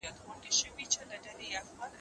د ده حکم، که خبره وه قانون وو